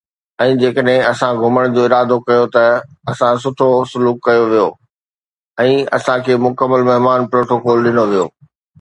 ۽ جيڪڏهن اسان گهمڻ جو ارادو ڪيو ته اسان سان سٺو سلوڪ ڪيو ويو ۽ اسان کي مڪمل مهمان پروٽوڪول ڏنو ويو